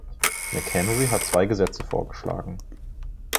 McHenry hat zwei Gesetze vorgeschlagen.